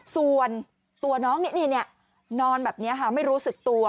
ส่วนตัวน้องเนี้ยเนี้ยเนี้ยนอนแบบเนี้ยฮะไม่รู้สึกตัว